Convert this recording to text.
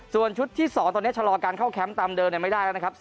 ส่วนชุดที่๒ตอนนี้ชะลอการเข้าแคมป์ตามเดิมไม่ได้แล้วนะครับ